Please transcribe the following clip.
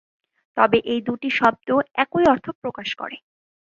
তবে এই দুটি শব্দ একই অর্থ প্রকাশ করে।